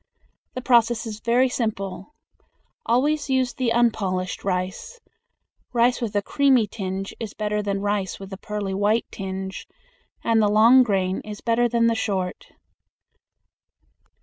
The process is very simple. Always use the unpolished rice. Rice with a creamy tinge is better than rice with a pearly white tinge, and the long grain is better than the short.